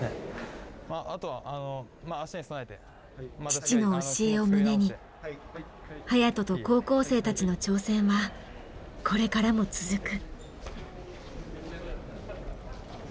父の教えを胸に颯人と高校生たちの挑戦はこれからも続く。